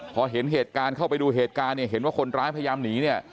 พอเห็นเหตุการณ์เข้าไปดูเหตุการณ์เนี่ยเห็นว่าคนร้ายพยายามหนีเนี่ย